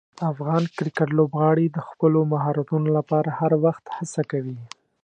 افغان کرکټ لوبغاړي د خپلو مهارتونو لپاره هر وخت هڅه کوي.